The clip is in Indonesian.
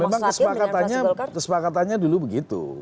memang kesepakatannya dulu begitu